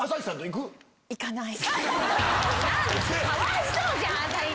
かわいそうじゃん！